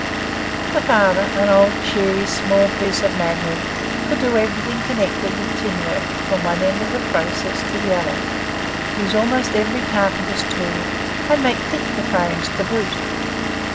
The father, an old, cheery, small piece of man hood, could do everything connected with tinwork from one end of the process to the other, use almost every carpenter's tool, and make picture frames to boot.